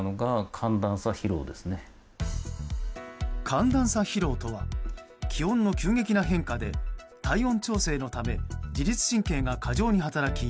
寒暖差疲労とは気温の急激な変化で体温調整のため自律神経が過剰に働き